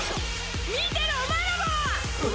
見てるお前らも！